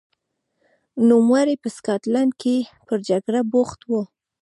نوموړی په سکاټلند کې پر جګړه بوخت و.